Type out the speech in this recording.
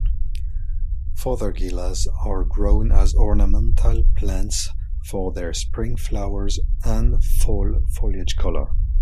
Fothergillas are grown as ornamental plants for their spring flowers and fall foliage color.